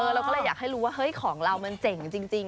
เราก็เลยอยากให้รู้ว่าเฮ้ยของเรามันเจ๋งจริง